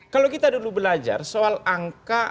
kalau kita dulu belajar soal angka